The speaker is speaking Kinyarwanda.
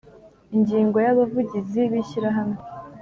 Ingingo ya abavugizi b ishyirahamwe